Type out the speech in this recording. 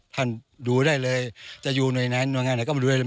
ท่านดูได้เลยจะอยู่ไหนไหนก็ไม่ดูได้เลย